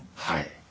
はい。